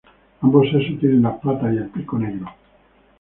Ambos sexos tienen las patas y el pico negro.